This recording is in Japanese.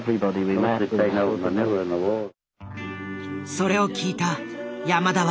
それを聞いた山田は。